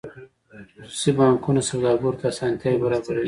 خصوصي بانکونه سوداګرو ته اسانتیاوې برابروي